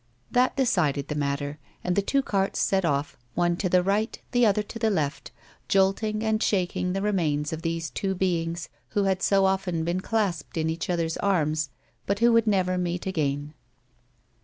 That decided the matter, and the two carts set off, one to the right, the other to the left, jolting and shaking the remains of these two beings who had so often been clasped in each other's arms, but who would never meet again.